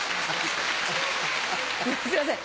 すいません